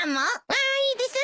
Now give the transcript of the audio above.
わーいです！